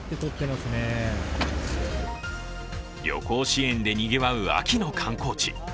旅行支援でにぎわう秋の観光地。